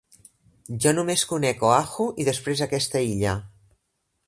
Jo només conec Oahu i després aquesta illa.